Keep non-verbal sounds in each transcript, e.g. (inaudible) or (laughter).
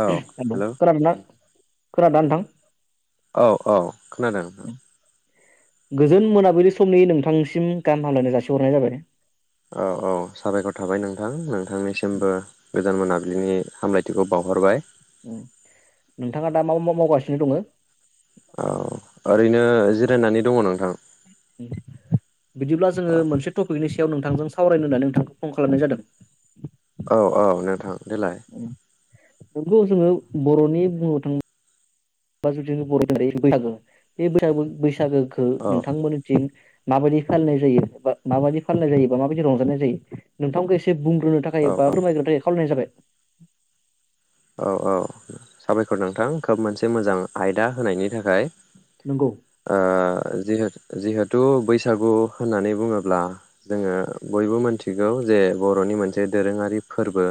औ hello hello खोनादोंना? खोनादोना नोथां? औ औ खोनादों नोंथां गोजोन मोनाबिलि समनि नोंथांनिसिम गाहाम हामलायनो जासिहरनाय जाबाय औ औ साबायखर थाबाय नोंथां नोंथांनिसिमबो गोजान मोना बिलिनि हामलायथिखौ बावहरबाय उम नोंथाङा दा माव मा मावगासिनो दङो? औ ओरैनो जिरायनानै दङ' नोंथां बिदिब्ला जोङो मोनसे टपिकनि सि सायाव नोंथांजों सावरायनो होननानै नोंथांखौ फन खालामनाय जादों औ नोंथां देलाय नोंगौ जोङो बर'नि बुंनो थां बा जुदि बर' हारिनि बैसागो बे (unintelligible) बैसागोखो औ नोंथांमोननिथिं माबायदि फालिनाय जायो एबा माबायदि फालिनाय जायो बा माबायदि रंजानाय जायो नोंथांखौ एसे बुं नो औ थाखाय एबा औ फोरमायग्रोनो थाखाय खावलायनाय जाबाय। औ औ साबायखर नोंथां खोब मोनसे मोजां आयदा होनायनि थाखाय। नंगौ आ जिहेथ जिहेथु बैसागु होननानै बुङोब्ला जोङो बयबो मोनथि थिगौ जे बर'नि मोनसे दोरोङारि फोरबो।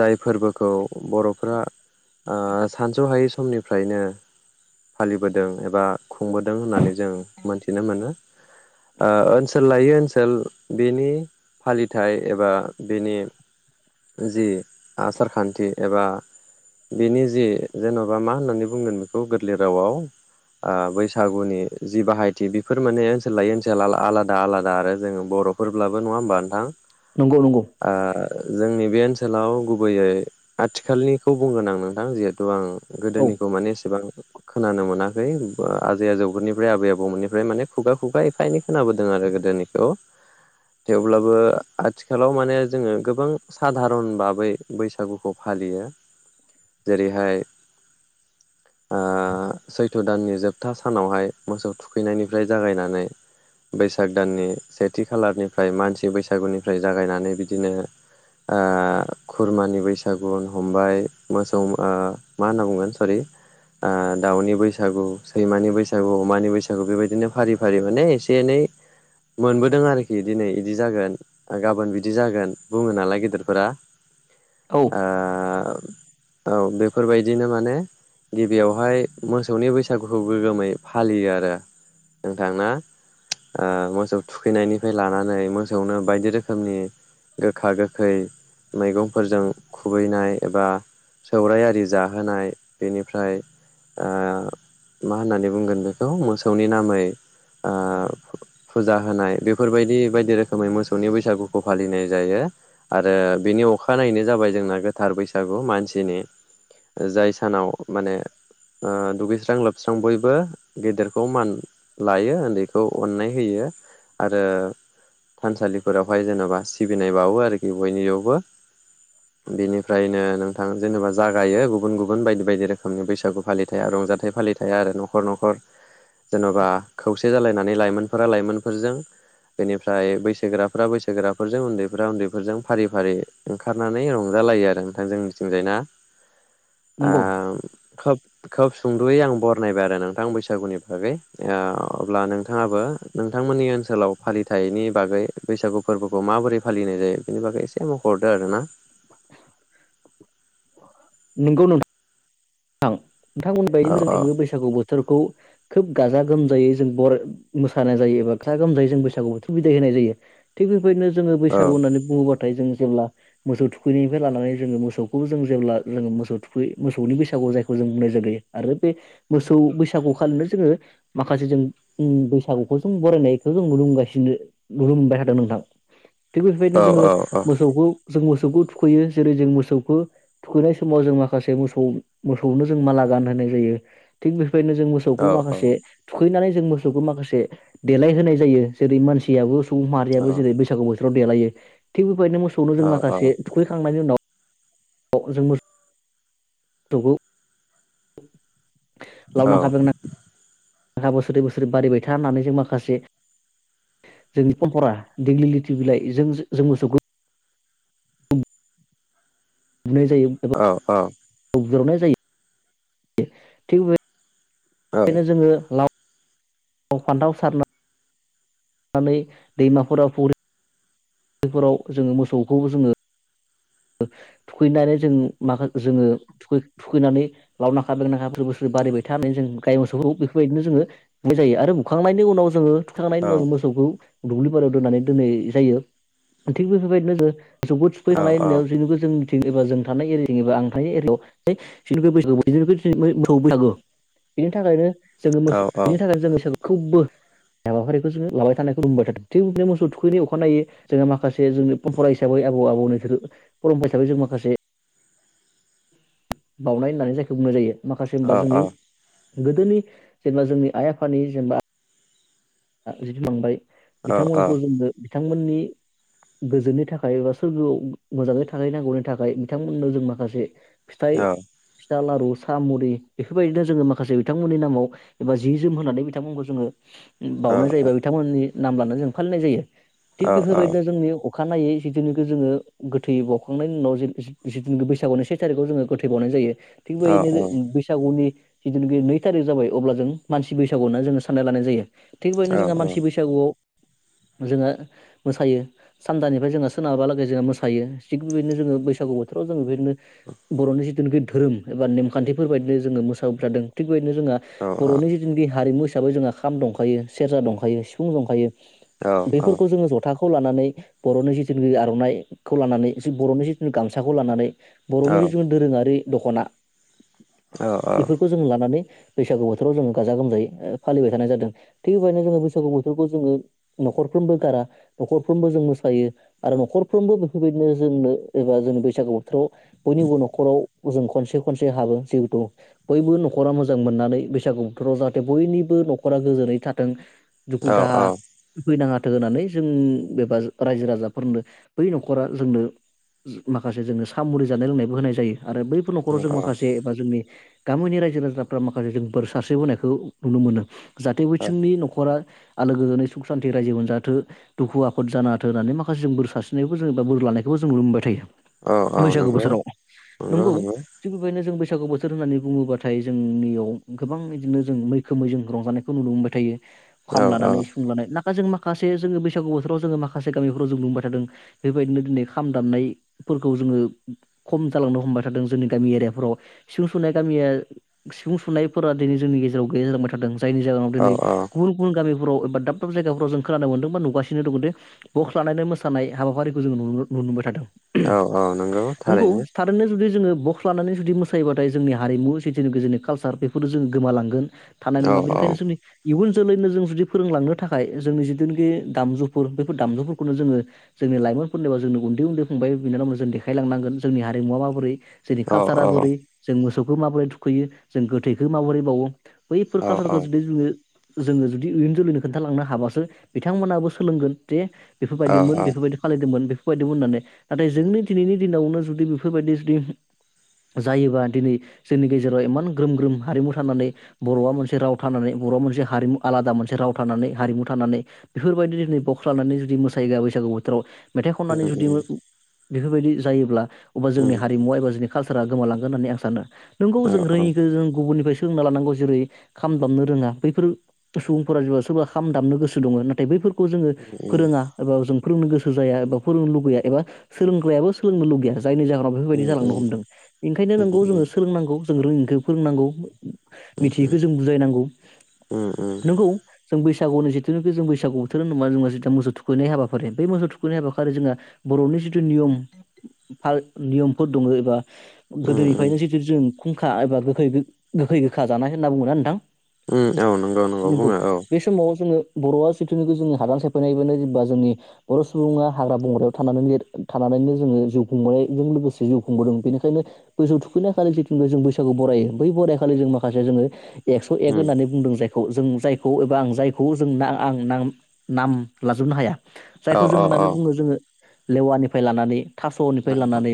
जाय फोरबोखौ बर'फ्रा ओ सानस'हायै समनिफ्रायनो फालिबोदों एबा खुंबोदों होननानै जों मोनथिनो मोनो। ओ ओनसोल लायै ओ सोल बेनि फालिथाय एबा बेनि जि आसारखान्थि एबा बिनि जि जेन'बा मा होननानै बुंगोन बेखौ गोरलै रावआव आ बैसागुनि जि बाहायथि बेफोर माने ओनसोल लायै ओनसोल आलादा आलादा आरो जोङो बर' फोरब्लाबो नङा होमबा नोंथां नंगौ नंगौ ओ जोंनि बे ओनसोलाव गुबैयै आथिखालनिखौ बुंगोन आं नोंथां जिहेथु आं औ गोदोनिखौ माने एसेबां खोनानो मोना। आजै आजौनिफ्राय आबौ आबैमोनिफ्राय माने खुगा खुगा एफा एनै खोनाबोदों आरो गोदोनिखौ। थेवब्लाबो आथिखालाव माने जोङो गोबां साधारन बाबै बैसागुखौ फालियो। जेरैहाय आ सैथ' दाननि जोबथा सानावहाय मोसौ थुखैनायनिफ्राय जागायनानै बैसाग दाननि सेथि खालारनिफ्राय मानसि बैसागुनिफ्राय जागायनानै बिदिनो ओ खुरमानि बैसा गुन हमबाय मोसौ ओ मा होनना बुंगोन सरि आ दाउनि बैसागु, सैमानि बैसागु, अमानि बैसागु बेबायदिनो फारि फारि माने एसे एनै मोनबोदों आरोखि दिनै बिदि जागोन गाबोन बिदि जागोन बुङो नालाय गेदिरफोरा औ आ औ बेफोरबायदिनो माने गिबियावहाय मोसौनि बैसागुखौ गोग्गोमै फालियो आरो नोंथां ना? ओ मोसौ थुखैनायनि लानानै मोनो बायदि रोखोमनि गोखा गोखै मैगंफोर जा खुबैनाय एबा सौराय आरि जाहोनाय बेनिफ्राय ओ‌ मा होननानै बुंगोन बेखौ मोसौनि नामै ओ फुजा होनाय बेफोरबायदि बायदि रोखोमै मोसौनि बैसागुखौ फालिनाय जायो। आरो बेनि अखानायनायैनो जाबाय जोंना गोथार बैसागु मानसिनि जाय सानाव माने ओ दुगैस्रां लोबस्रां बय बो‌ गेदेरखौ मान लायो। उन्दैखौ अननाय होयो आरो थानसालिफोरावहाय जेनेबा सिबिनाय बावो आरोखि बयनियावबो। बेनिफ्रायनो नोंथां जेनेबा जागायो गुबुन गुबुन बायदि बायदि रोखोमनि बैसागु फालिथाया रंजाथाइ फालिथाया आरो न'खर न'खर जेन'बा खौसे जालायनानै लाइमोनफोरा लाइमोनफोरजों बेनिफ्राय बैसोगोराफोरा बैसोगोराफोरजों उन्दैफोरा उन्दैफोरजों फारि फारि ओंखारनानै रं जालायो आरो नोंथां जोंनिथिंजायना। आ नंगौ खोब खोब सुंदुयै आं बरनायबाय आरो नोंथां बैसागुनि बागै। ओ अब्ला नोंथाङाबो नोंथांमोननि ओनसोलाव फालिथायनि बागै बैसागु फोरबोखौ माबोरै फालिनाय जायो बिनि बागै एसे मख'हरदो आरोना। नंगौ नों नोंथांमोन औ बायदिनो जोंथिंबो बैसागु बोथोरखौ खोब गाजा गोमजा जायो जों बर' मोसानाय जायो गाजा गोमजायै जों बैसागु बोथ' बिदाय होनाय जायो थिख बे बादिनो जोङो औ बैसागु होननानै बुङोबाथाय जोङो जेब्ला मोसौ थुखैनिफ्राय लानानै जोङो मोसौखौ जों जेब्ला जोङो मोसौ थुखै मोसौनि बैसागु जाय जों बुंनाय जायो आरो बे मोसौ बैसागु खालिनो जोङो माखासे जों बैसागुखौ जों बरायनायखौ जों नुगासिनो नुनो मोनबाय थादों नोंथां थिग बेफोरबायदिनो जोङो औ मोसौखौ जों मोसौखौ थुखैयो जेरै जों मोसौखौ थुखैनाय समाव जों माखासे मोसौ मोसौनो जों माला गानहाय जायो थिग बे बादिनो जों औ मोसौखौ माखासे थुखैनानै जों मोसौखौ माखासे देलाय होनाय जायो जेरै मानसियाबो औ सुबुंमारियाबो जेरै बैसागु बोथोर राव देलायो थिख बे बायदिनो मोसौनो औ जों माखासे थुखैखांनायनि उनाव जों मोसौखौ औ लावना खा बेंना खा बोसोरै बोसोरै बारिायबाय था होननानै जों माखासे जोंनि परमपरा दिंग्लिलिटि बिलाइ जों जों मोसौखौ बुनाय जायो एबा औ औ बुज्रावनाय जायो थिग बे औ खायनो जोङो ला व फान्थाव सार नानै दैमाफोराव फख्रि फोराव जोङो मोसौखौ जोङो थुखैनानै जों माखा जोङो थुखैनानै लावनाखा बेंनाखाफोर बोसोर बारिबाय था होननानै जों गाय मोसौखौ बेफोरबायदिनो जोङो बुनाय जायो आरो बुखांनायनि उनाव जोङो थुखै खांनायनि औ उनाव जों मोसौखौ दुब्लि बारियाव दोननानै दोननाय जायो थिग बेफोरबायदिनो जों मोसौखौ थुखै औ खांनाय औ उनाव जोंनिथिबा जों थानाय एबा आं थानाय एरियावहाय (unintelligible) बेनि थाखायनो जोङो औ मोसौ औ थुखैनो थाखाय जोङो खौबो हाबाफारिखौ जोङो लाबाय थानायखौ बुंबाय थादों थिग बिदिनो मोसौ थुखैनि अखानायनायै जोङो माखासे जोंनि परमपरा हिसाबै आबौ आबौनि फरम हिसाबै जों माखासे बावनाय होननानै जायखौ बुंनाय जायो माखासे होनबा जोंनि गोदोनि जेनेबा जोंनि आइ आफानि जेनेबा दा जिब मोनबाय बिथांमोनखौ जोंनो बिथांमोननि गोजोननि थाखाय बा सोरगोआव मोजाङै थानांगौनि थाखाय बिथांमोननो जों माखासे फिथाइ फिथा लारु सा मुरि बेफोरबायदिनो जोङो माखासे बिथांमोननि नामाव एबा जि जोम होनानै बिथांमोनखौ जोङो बावउनाय जायोबा बिथांमोननि नामबानो जों फालिनाय जायो थिग बेफोरबायदिनो जोंनि अखानायै जिदिनिखौ जोङो गोथै बावखांनायनि उनाव जन बैसागुनि से थारिखआव जोङो गोथै बावनाय जायो थिग बेबायदिनो बैसागुनि जिथुखि नै थारिख जाबाय अब्ला जों मानसि बैसागुआव होनना जोङो साननाय लानाय जायो थिग बेबायदिनो जोंहा मानसि बैसागुआव जोंहा मोसायो सानजानिफ्राय जोंहा सोनाबालागै जोंहा मोसायो थिग बेबायदिनो जोङो बैसागु बोथोराव जों बेबायदिनो बरनि जिथुनोखि धोरोम एबा नेमखान्थिफोर बायदिनो जोङो मोसाबाय थादों थिग नो जोंहा बरनि जोंनि हारिमु हिसाबै जोंहा खाम दं दंखायो सेरजा दंखायो सिफुं दंखायो बेफोरखौ जोंङो जथा खौ लानानै बरनि जिथुनिखि आरनाइखौ लानानै बरनि जिथु गामसाखौ लानानै बरनि जुन दोरोङारि दखना बेफोरखौ जों लानानै बैसागु बोथोराव जोंङो गाजा गोमजायै ओ फालिबाय थानाय जादों थिग बेबायदिनो जोंङो बैसागु बोथोरखौ जोंङो नखरफ्रोमबो गारा नखरफ्रोमबो जों मोसायो आरो नखरफ्रोमबो बेफोरबायदिनो जोंनो एबा जोंनि बैसागु बोथोराव बयनिबो नखराव जों खनसे खनसे हाबो जिहेतु बयबो नखरा मोजां मोननानै बैसागु बोथोराव जाहाथे बयनिबो नखरा गोजोनै था थों दुखु दाहा होफैनाङा थो होनानै जों बेबा रायजो राजाफोरनो बै नखरा जोंनो माखासे जोंनो साम मुरि जानाय लोंनायबो होनाय जायो आरो बैफोर नखराव जों औ माखासे बा जोंनि गामोनि रायजो राजाफ्रा माखासे जों बोर सारस्रि बोनायखौ नुनो मोनो जाहाथे औ जोंनि नखरा आलो गोजोनै सुख सान्थि रायजो मोनजाथो दुखु आफद जाना हाथो होननानै माखासे जों बोर सारस्रिनाय जों बा बोर लानायखौबो जों नुनो मोनबाय थायो औ बैसागु नंगौ बोसोराव नंगौ थिग बेबायनो जों बै बैसागु बोथोर होननानै बुङोबाथाय जोंनियाव गोबां इदिनो जों मैखोमै जों रंजानायखौ नुनो मोनबाय थायो औ खाम औ लानानै सिफुं लानाय ना दा जों माखासे जोंङो बैसागु बोथोराव जोंङो माखासे गामिफोराव जों नुनोमोनबाय थादों बेबायदिनो दिनै खाम दामनायफोरखौ जोंङो खम जालांनो हमबाय थादों जोंनि गामि एरियाफोराव सिफुं सुनाय गामिया सिफुं सुनायफोरा दिनै जोंनि गेजेराव गैया जालांबाय थादों जायनि जाहोनाव औ दोनै औ गुबुन गुबुन गामि फोराव बा दाब दाब जायगाफोव जों खोनानो मोनदों बा नुगासिनो दङ दि बक्स लानायानानै मोसानाय हाबाफारिखौ जोंङो नु-नुनो मोनबाय थादों। (unintelligible) नंगौ थारैनो जुदि जोंङो बक्स लानानै जुदि मोसायोबाथाय जोंनि हारिमु जिथुनिकि जोंनि कालसार बेफोरो जों गोमालांगोन। थानाय औ नङा बेनिखायनो जोंनि इयुन जोलैनो जों जुदि फोरोंलांनो थाखाय जोंनि जिथुनिकि दामजुफोर बेफोर दामजुफोरखौनो जोंङो जोंनि लाइमोनफोरनो एबा जोंनि उन्दै उन्दै फंबाय बिनानाव मोननो जों देखायलांनांगोन जोंनि हारिमुआ माबोरै। जोंनि औ काल्सारा औ बोरै जों मोस गथ'खौ माबोरै थुखैयो जों गोथैखो माबोरै बावो। बैफोर औ कालसारखो जुदि (unintelligible) जोंङो जुदि इयुन जोलैनो खोन्थालांनो हाबासो बिथांमोनाबो सोलोंगोन जे औ बेफोरबायदिमोन औ बेफोरबायदि खालयदोमोन बे लायदोंमोन होननानै। नाथाय उम जोंनि दिनैनि दिनावनो जुदि बेफोरबायदि जुदि जायोबा दिनै जोंनि गेजेराव इमान ग्रोम ग्रोम हारिमु थानानै बर'आ मोनसे राव थानानै बर'आ मोनसे हारिमु आलादा मोनसे राव थानानै हारिमु थानानै बेफोरबायदि दिनै बक्स लामनानै जुदि मोसायो बैसागु बोथोराव मेथाइ खननानै जुदि बेफोरबायदि जायोब्ला अब्ला उम जोंनि हारिमु एबा जों कालसारा गोमालांगोन होननानै आं सानो। नोंगौ औ जों औ रोङिखौ जों गुबुननिफ्राय सोंना लानांगौ जेरै खाम दामनो रोङा। बैफोर सुबुंफोरा जिउ आव सोरबा खाम दामनो गोसो दङ नाथाय बैफोर खौ जोङो उम उम फोरोङा एबा (unintelligible) फोरोंनो गोसो जाया एबा फोरोंनो लुगैया एबा सोंलोंग्रायाबो सोलोंनो लुगैया। जायनि जाहोनाव बेफोरबायदि उम जालांनो हमदों इखायनो उम उम नोंगौ जोङो सोलोंनांगौ। जों रोङैखो फोरोंनांगौ। उम मिथियैखो जों बुजायनांगौ। उम उम नंगौ जों बैसागुनि जिथुनोखि जों बैसागु बोथोर नङा जोंहा जिथा मोसौ थुखैनाय हाबाखारि बै मोसौ थुखैनाय हाबाखारि जोंहा बर'नि जिथु नियम फा नियमफोर दङो एबा उम उम गोदोनिफ्रायनो जिथु जों खुंखा एबा गोखै गोखै गोखा जानाय होनना बुङोना नोंथां? उम औ नंगौ नंगौ बुङो औ बे समाव जोङो बर'आ जिथुनिुखि जोङो हादान सेफायनायबानो जेनेबा जोंनि बर' सुबुङा हाग्रा बंग्रायाव थानानै लिर थानानैनो जोङो जिउ खुंबनायजों लोगोसे जिउ खुंबोदों बेनिखायनो मोसौ थुखैनाय खालि जिथुनिुख जों बैसागु बरायो बै बराय खालि जों माखासे जोङो एकस' एक उम होननानै बुंदों जायखौ जों जायखौ एबा आं जायखौ जों आं नाम लाजोबनो हाया औ जायखौ औ जों होननानै बुङो जोङो लेवानिफ्राय लानानै औ थास'निफ्राय लानानै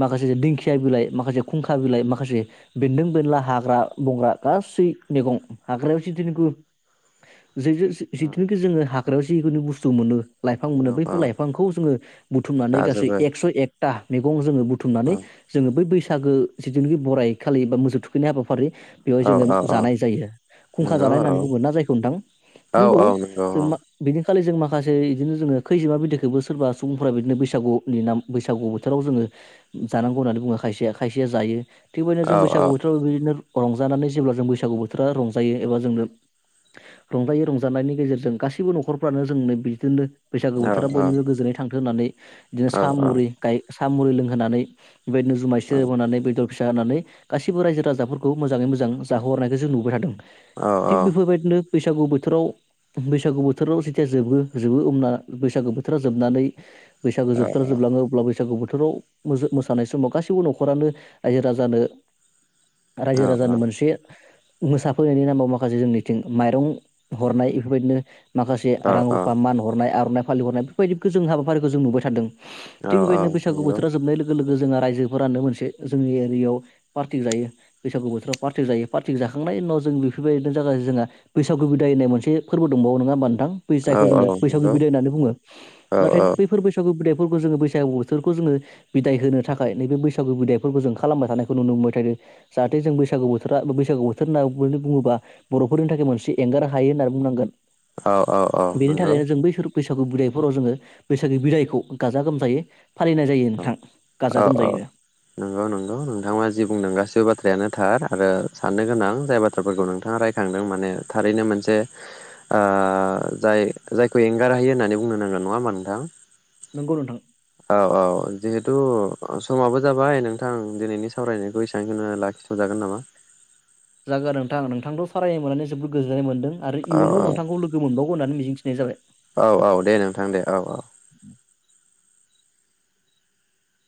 माखासे दिंखिया बिलाइ माखासे खुंखा बिलाइ माखासे बेन्दों बेनला हाग्रा बंग्रा गासै मैगं (unintelligible) (inaudible) जे औ जिथुखि जोङो हा (unintelligible) जिखुनु बुस्थु मोनो लाइफां औ मोनो औ बैफोर लाइफांखौ जोङो बुथुमनानै गासै जाजोबो एक्स' एक (unintelligible) मैगं जोङो औ बुथुमनानै जोङो बै बैसा- बैसागो जिथुखि बराय खालि बा मोसौ थुखैनाय हाबा फारि बेवहाय औ जोङो औ औ जानाय जायो। खुंखा नंगौ औ जानाय होननानै बुंगोन ना जायखौ नोंथां औ नंगौ औ औ जों (unintelligible) बे खालि जों माखासे बिदिनो जोङो खैजिमा बिदैखौबो सोरबा सुबुंफोरा बिदिनो बैसागुनि नाम बैसागु बोथोराव जोङो जानांगौ होन्नानै बुङो खायसेया खायसेया जायो। थिग बेदिनो जों औ औ औ बैसागु बोथोराव बिबायदिनो रंजानानै जेब्ला जों बैसागु बोथोरा रंज जायो एबा जोंनो रंजायो रंजानायनि गेजेरजों गासैबो न'खरफ्रानो जोंनो बिदिनो बैसागु औ बथोरा बनिबो गोजोनाय थां होनानै बिदिनो औ सा मुरि गाय सा मुरि लोंहोनानै बेबायदिनो जुमायसो औ होबवनानै बेदर फिसा होननानै गासैबो रायजो राजाफोरखौ मोजाङै मोजां जाहोहरनायखौ जों नुबाय थादों। थिग बेफोरबायदिनो बैसागु बोथोराव बैसागु बोथोराव जेथिया जोबो जोबो ओमना बैसागु बोथोराव जोबनानै बैसागु जोबथार जोबलाङो अब्लाबो बैसागु बोथोराव मोजो मोसानाय समाव गासैबो न'खरानो रायजो राजानो रायजो औ राजानि मोनसे मोसा फोरनि नामाव माखासे जोंनिथिं माइरं हरनाय बेफोरबायदिनो माखासे औ रां औ रुफा मान हरनाय आरनाइ फालि हरनाय बेबायदिखौ जों हाबाफारिखौ जों नुबाय थादों औ थिग बेबायदिनो बैसागु नंगौ बोथोरा जोबनाय लोगो लोगो जोंहा रायजोफोरानो मोनसे जोंनि एरियायाव पार्टिक जायो बैसागु बोथोराव पार्टिक जायो पार्टि जाखांनायनि उनाव जों बेफोरबायदिनो थाखाय जोंहा बैसागु बिदाय होननाय मोनसे फोरबो दंबावो नङा होनबा थां बै औ जायखौ औ जोङो बैसागु नंगौ बिदाय होनानैै बुङो औ नाथाय औ बेफोर बैसागु बिदाय फोरखौ जोङो बैसागु बोथोरखौ जोङो बिदाय होनो थाखाय नैबे बैसागु बिदायफोरखौ जों खालामबाय थानायखौ नुनो मोनबाय थायो जाहाथे जों बैसागु बोथोरा बैसागु बोथोर होन्ना नो बुङोबा बर'फोरनि थाखाय मोनसे एंगार हायो होननानै बुंनांगोन। औ औ औ बेनि नंगौ थाखायनो जों बैसोर बैसागु बिदायफोराव जोङो बैसागु बिदायखौ गाजा गोमजायै फालिनाय जायो औ नोंथां गाजा औ औ गोमजायैनो नंगौ नंगौ नोंथाङा जि बुंदों गासिबो बाथ्रायानो थार आरो साननो गोनां जाय बाथ्राफोरखौ नोंथाङा रायखांदों माने थारैनो मोनसे जाय जायखौ एंगारहयो होननानै बुंनो नांगोन नङा होमा नोंथां। नोंगौ नोंथां औ औ जिहेथु समाबो जाबाय नोंथां दिनैनि सावरायनायखौ एसेबांखिनियावनो लाखिथ'जागोन नामा? जागोन नोंथां नोंथांद' सावरायनो मोननानै जोबोद गोजोननाय मोनदों। आरो औ इयुनाव नोंथांखौ लोगो मोनबावौ होननानै मिजिंथि नाय जाबाय। औ औ दे नोंथां दे औ औ